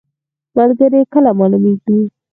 ملګری کله معلومیږي؟